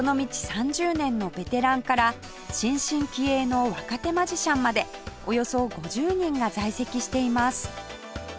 ３０年のベテランから新進気鋭の若手マジシャンまでおよそ５０人が在籍しています